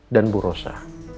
dan bu rosa